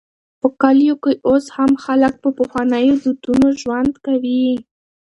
په کلیو کې اوس هم خلک په پخوانيو دودونو ژوند کوي.